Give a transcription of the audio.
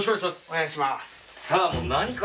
お願いします。